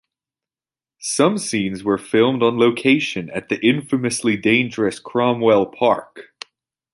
Some scenes were filmed on location at the infamously dangerous Cromwell Park.